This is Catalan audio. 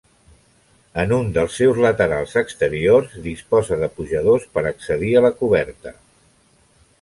En un dels seus laterals exteriors disposa de pujadors per accedir a la coberta.